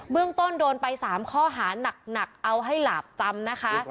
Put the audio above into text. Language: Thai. เรื่องต้นโดนไป๓ข้อหานักเอาให้หลาบจำนะคะ